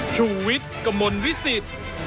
ชูเวทกมลวิสิทธิ์